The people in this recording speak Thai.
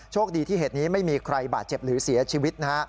คดีที่เหตุนี้ไม่มีใครบาดเจ็บหรือเสียชีวิตนะฮะ